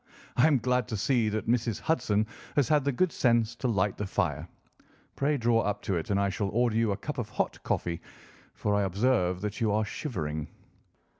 Ha! I am glad to see that Mrs. Hudson has had the good sense to light the fire. Pray draw up to it, and I shall order you a cup of hot coffee, for I observe that you are shivering."